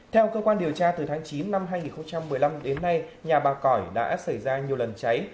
theo cơ quan điều tra từ tháng chín năm hai nghìn một mươi năm đến nay nhà bà cỏi đã xảy ra nhiều lần cháy